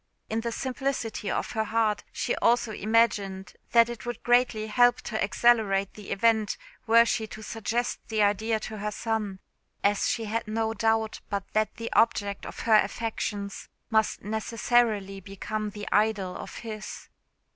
In the simplicity of her heart she also imagined that it would greatly help to accelerate the event were she to suggest the idea to her son, as she had no doubt but that the object of her affections must necessarily become the idol of his.